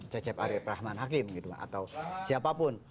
cecep arya prachman hakim gitu atau siapapun